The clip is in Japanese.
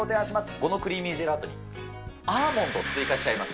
このクリーミージェラートに、アーモンドを追加しちゃいます。